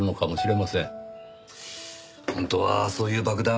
本当はそういう爆弾